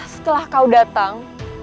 setelah kau datang